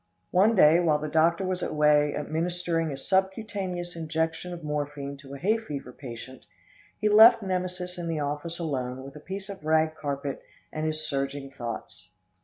One day, while the doctor was away administering a subcutaneous injection of morphine to a hay fever patient, he left Nemesis in the office alone with a piece of rag carpet and his surging thoughts.